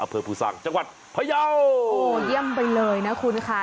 อเผยภูตรซางจังหวัดเผยาโอ้เยี่ยมไปเลยนะคุณค่ะ